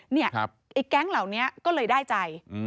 ไอ้แก๊งเหล่านี้ก็เลยได้ใจ